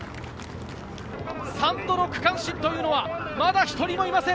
３度の区間新というのはまだ１人もいません。